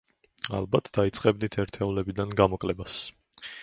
ალბათ დაიწყებდით ერთეულებიდან გამოკლებას.